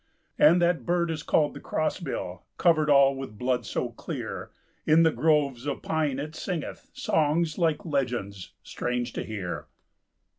And that bird is called the crossbill; Covered all with blood so clear, In the groves of pine it singeth Songs, like legends, strange to hear.